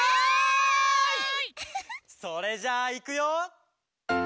「それじゃあいくよ」